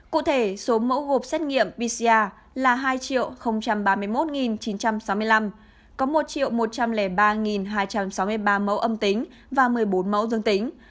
cụ thể số mẫu gộp xét nghiệm pcr là hai ba mươi một chín trăm sáu mươi năm có một một trăm linh ba hai trăm sáu mươi ba mẫu âm tính và một mươi bốn mẫu dương tính